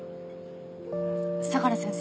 相良先生。